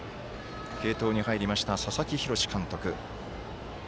継投に入りました、佐々木洋監督。